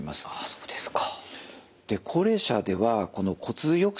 そうですか。